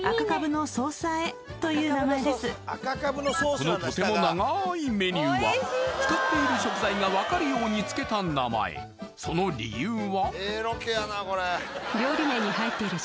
このとても長いメニューは使っている食材が分かるようにつけた名前その理由は？